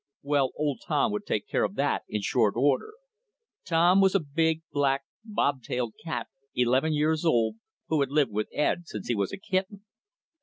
Well, old Tom would take care of that in short order. Tom was a big, black, bobtailed cat eleven years old who had lived with Ed since he was a kitten.